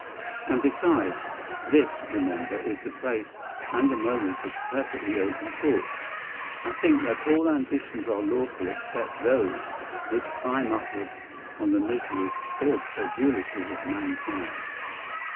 And besides—this, remember, is the place and the moment of perfectly open talk—I think that all ambitions are lawful except those which climb upward on the miseries or credulities of mankind.